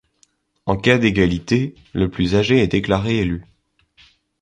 En cas d'égalité, le plus âgé est déclaré élu.